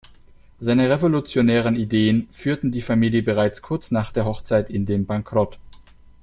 Seine revolutionären Ideen führten die Familie bereits kurz nach der Hochzeit in den Bankrott.